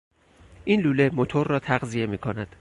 این لوله موتور را تغذیه میکند.